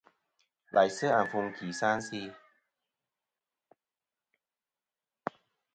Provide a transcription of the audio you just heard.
Laysɨ àfuŋ ki sɨ a se'i.